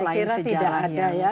saya kira tidak ada ya